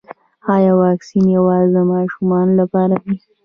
ایا واکسین یوازې د ماشومانو لپاره دی